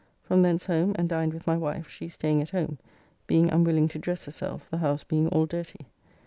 From thence home and dined with my wife, she staying at home, being unwilling to dress herself, the house being all dirty.